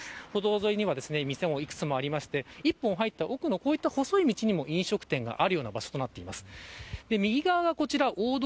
歩道沿いには店もいくつもありまして１本入った奥の細い道にも飲食店があるような場所となっています。